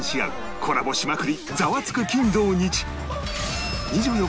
「コラボしまくり！